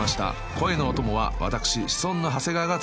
［声のお供は私シソンヌ長谷川が務めます］